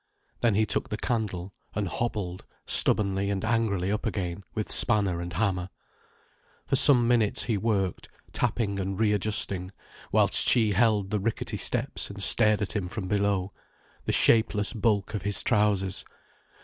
Then he took the candle, and hobbled stubbornly and angrily up again, with spanner and hammer. For some minutes he worked, tapping and readjusting, whilst she held the ricketty steps and stared at him from below, the shapeless bulk of his trousers.